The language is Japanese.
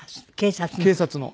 警察の？